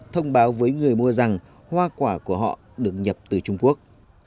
thông báo với người mua rằng hoa quả của họ được nhập từ trung quốc